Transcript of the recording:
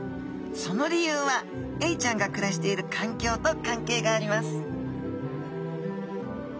その理由はエイちゃんが暮らしているかんきょうと関係があります